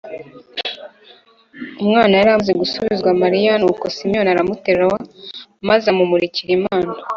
. Umwana yari amaze gusubizwa Mariya, nuko Simiyoni aramuterura maze amumurikira Imana